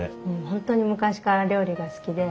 本当に昔から料理が好きで。